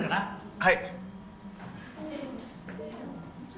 はい。